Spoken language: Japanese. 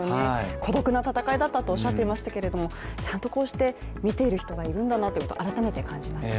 孤独な戦いだったとおっしゃっていましたけどちゃんとこうして見ている人がいるんだなということを改めて感じますね。